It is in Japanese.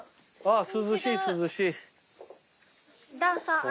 涼しい涼しい。